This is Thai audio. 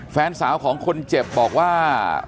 แฟนสาวของคนเจ็บบอกว่า